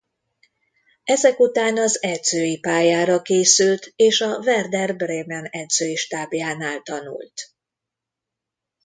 Ezek után az edzői pályára készült és a Werder Bremen edzői stábjánál tanult.